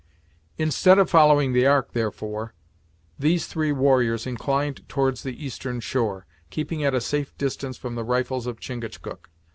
Instead of following the Ark, therefore, these three warriors inclined towards the eastern shore, keeping at a safe distance from the rifles of Chingachgook.